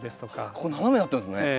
ここ斜めになってますね。